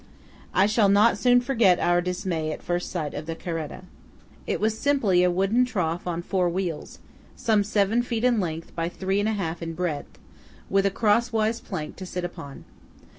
I shall not soon forget our dismay at first sight of the caretta. It was simply a wooden trough on four wheels, some seven feet in length by three and a half in breadth, with a crosswise plank to sit upon.